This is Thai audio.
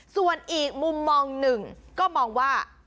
ส่วนอีกมุมมองหนึ่งก็มองว่า